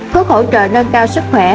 ba thuốc hỗ trợ nâng cao sức khỏe